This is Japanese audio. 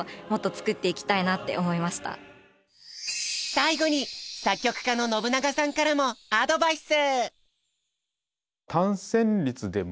最後に作曲家の信長さんからもアドバイス！